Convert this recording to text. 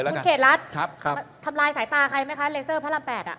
คุณเขตรัฐทำลายสายตาใครไหมคะเลเซอร์พระราม๘